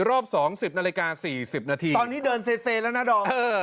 รอบ๒๐นาฬิกา๔๐นาทีตอนนี้เดินเซแล้วนะดอม